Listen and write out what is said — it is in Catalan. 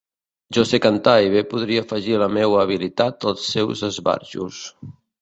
Jo sé cantar i bé podria afegir la meua habilitat als seus esbarjos.